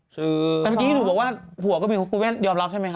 ซื้อตอนนี้ถูกบอกว่าผัวก็มีคุณแม่ยอมรับใช่ไหมคะ